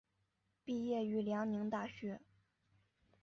毕业于辽宁大学。